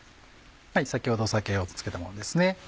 先ほど酒をつけたものですね。